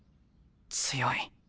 強い。